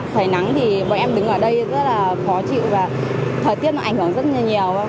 thời nắng thì bọn em đứng ở đây rất là khó chịu và thời tiết nó ảnh hưởng rất là nhiều